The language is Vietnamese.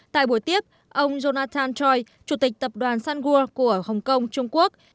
tại buổi tiếp ông jonathan choi chủ tịch tập đoàn sunwood của hồng kông trung quốc